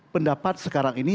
pendapat sekarang ini